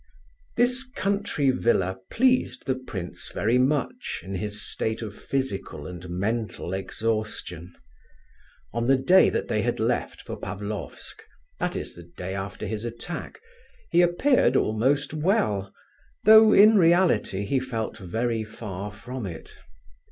This country villa pleased the prince very much in his state of physical and mental exhaustion. On the day that they left for Pavlofsk, that is the day after his attack, he appeared almost well, though in reality he felt very far from it.